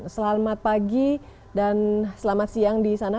selamat pagi dan selamat siang di sana